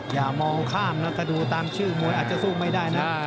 อย่ามองข้ามนะถ้าดูตามชื่อมวยอาจจะสู้ไม่ได้นะ